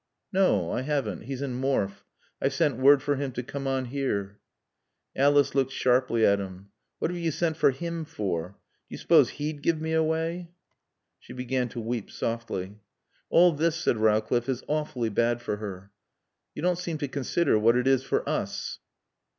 "No, I haven't. He's in Morfe. I've sent word for him to come on here." Alice looked sharply at him. "What have you sent for him for? Do you suppose he'd give me away?" She began to weep softly. "All this," said Rowcliffe, "is awfully bad for her." "You don't seem to consider what it is for us."